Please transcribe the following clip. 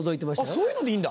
そういうのでいいんだ。